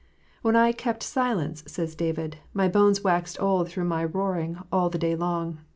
" When I kept silence," says David, "my bones waxed old through my roaring all the day long.